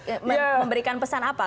apa tuh memberikan pesan apa